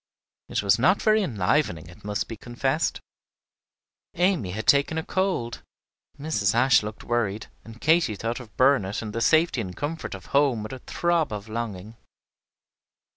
It was not very enlivening, it must be confessed. Amy had taken a cold, Mrs. Ashe looked worried, and Katy thought of Burnet and the safety and comfort of home with a throb of longing.